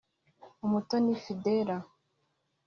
Umutoni Fidela